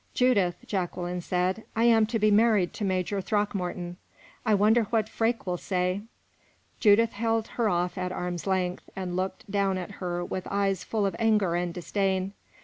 "Judith," Jacqueline said, "I am to be married to Major Throckmorton. I wonder what Freke will say!" Judith held her off at arm's length, and looked down at her with eyes full of anger and disdain.